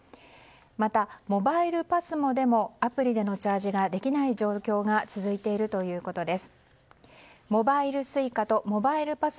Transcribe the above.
また、モバイルＰＡＳＭＯでもアプリでのチャージができない状況が続いているということです。